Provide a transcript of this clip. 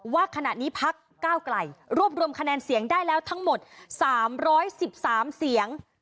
ว่าขณะนี้พักก้าวไกลรวบรวมคะแนนเสียงได้แล้วทั้งหมด๓๑๓เสียง